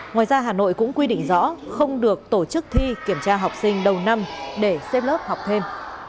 ngoài ra hà nội cũng quy định rõ không được tổ chức thi kiểm tra học sinh đầu năm để xếp lớp học thêm